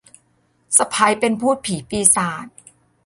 สะใภ้เป็นภูตผีปีศาจ